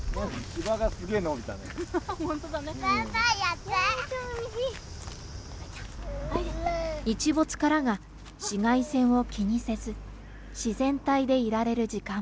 日没からが紫外線を気にせず、自然体でいられる時間。